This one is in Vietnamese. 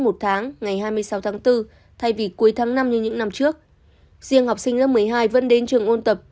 một tháng ngày hai mươi sáu tháng bốn thay vì cuối tháng năm như những năm trước riêng học sinh lớp một mươi hai vẫn đến trường ôn tập